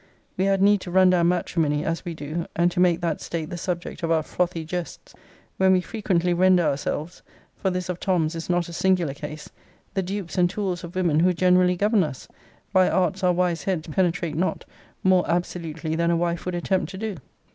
We had need to run down matrimony as we do, and to make that state the subject of our frothy jests; when we frequently render ourselves (for this of Tom's is not a singular case) the dupes and tools of women who generally govern us (by arts our wise heads penetrate not) more absolutely than a wife would attempt to do.